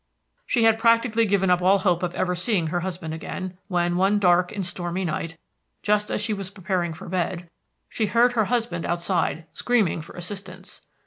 "She had practically given up all hope of ever seeing her husband again, when, one dark and stormy night, just as she was preparing for bed, she heard her husband outside, screaming for assistance.